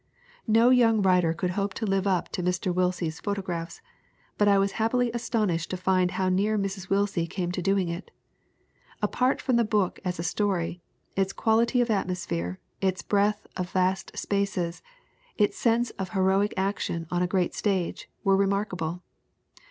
No young writer could hope to live up to Mr. Willsie's photographs, but I was happily astonished to find how near Mrs. Willsie came to doing it. Apart from the book as a story, its quality of atmosphere, its breath of vast spaces, its sense of heroic action on a great stage, were remarkable.